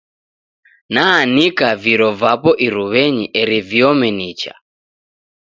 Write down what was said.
Naanika viro vapo iruw'enyi eri viome nicha.